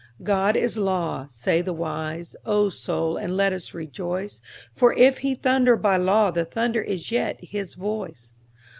God is law, say the wise; O Soul, and let us rejoice, For if He thunder by law the thunder is yet His voice.